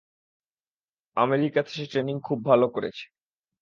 আমেরিকাতে সে ট্রেনিং খুব ভালো করেছে।